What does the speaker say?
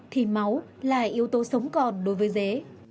thì máu là yếu tố sống còn đối với dế